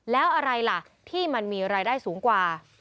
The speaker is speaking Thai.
แล้วอะไรล่ะที่มันมีรายได้สูงกว่า